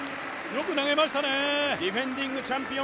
よく投げましたね。